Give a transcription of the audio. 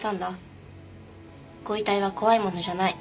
ご遺体は怖いものじゃない。